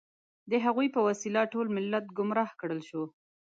د هغوی په وسیله ټول ملت ګمراه کړل شو.